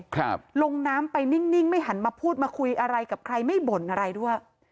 ครับลงน้ำไปนิ่งนิ่งไม่หันมาพูดมาคุยอะไรกับใครไม่บ่นอะไรด้วย